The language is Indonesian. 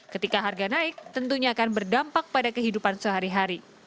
ketika harga naik tentunya akan berdampak pada kehidupan sehari hari